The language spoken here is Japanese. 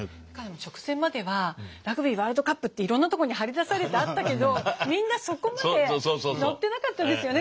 直前まではラグビーワールドカップっていろんなとこに張り出されてあったけどみんなそこまで乗ってなかったですよね